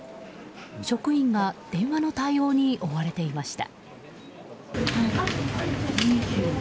職員が電話の対応に追われていました。